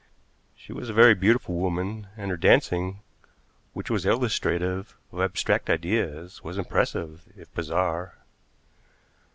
She was a very beautiful woman, and her dancing, which was illustrative of abstract ideas, was impressive, if bizarre.